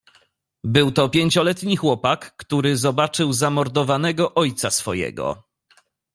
"Był to pięcioletni chłopak, który zobaczył zamordowanego ojca swojego..."